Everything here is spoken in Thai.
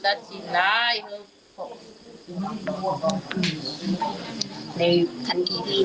อยากให้สังคมรับรู้ด้วย